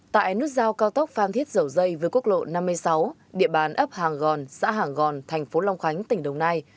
tại nút giao cao tốc phan thiết dầu dây với quốc lộ năm mươi sáu địa bàn ấp hàng gòn xã hàng gòn thành phố long khánh tỉnh đồng nai